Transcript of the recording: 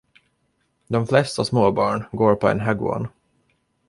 De flesta småbarn går på en hagwon.